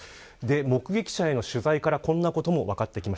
目撃者の取材からこんなことも分かっています。